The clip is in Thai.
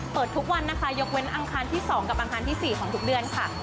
เปิดทุกวันนะคะยกเว้นอังคารที่๒กับอังคารที่๔ของทุกเดือนค่ะ